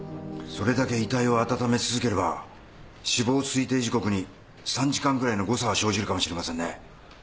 それだけ遺体を温め続ければ死亡推定時刻に３時間くらいの誤差は生じるかもしれませんね。